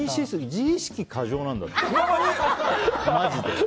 自意識過剰なんだって。